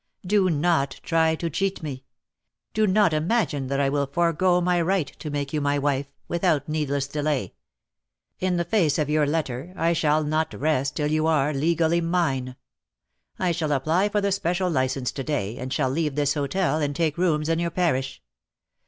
Do not try to cheat me. Do not imagine that I \vill forego my right to make you my wife, without needless delay. In the face of your letter, I shall not rest till you are legally mine. I shall apply for the special license to day, and shall leave this hotel and take rooms in your parish.